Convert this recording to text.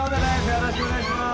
よろしくお願いします！